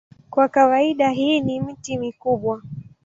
Kwa kawaida hii ni miti mikubwa.